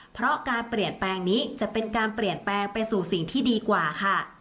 เพราะการเปลี่ยนแปลงนี้จะเป็นการเปลี่ยนแปลงไปสู่สิ่งที่ดีกว่าค่ะ